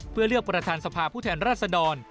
เพื่อเลือกประธานสภาผู้แทนราชดร